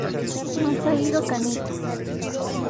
Masahiro Kaneko